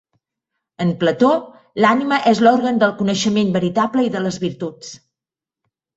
En Plató, l'ànima és l'òrgan del coneixement veritable i de les virtuts.